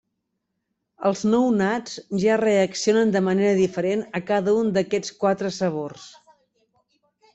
Els nounats ja reaccionen de manera diferent a cada un d'aquests quatre sabors.